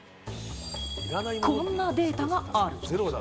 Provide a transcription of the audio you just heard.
こんなデータがある。